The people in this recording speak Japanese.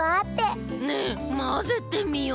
ねえまぜてみよう！